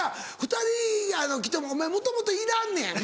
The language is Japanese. ２人来てもお前もともといらんねやんか。